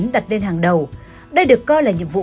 đặt lên hàng đầu đây được coi là nhiệm vụ